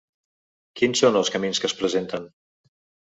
Quins són els camins que es presenten?